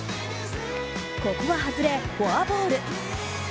ここは外れ、フォアボール。